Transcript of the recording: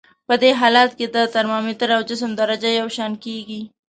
په دې حالت کې د ترمامتر او جسم درجه یو شان کیږي.